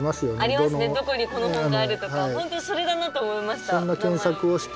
どこにこの本があるとか本当にそれだなと思いました。